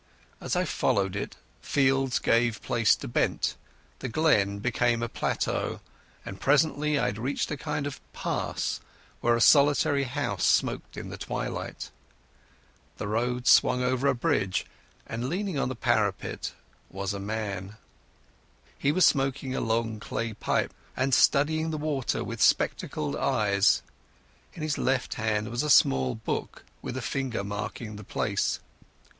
As I followed it, fields gave place to bent, the glen became a plateau, and presently I had reached a kind of pass where a solitary house smoked in the twilight. The road swung over a bridge, and leaning on the parapet was a young man. He was smoking a long clay pipe and studying the water with spectacled eyes. In his left hand was a small book with a finger marking the place.